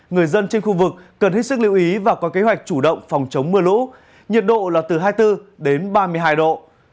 người dân trên khu vực cần hết sức lưu ý và có kế hoạch chủ động phòng chống mưa lũ nhiệt độ là từ hai mươi bốn đến ba mươi hai độ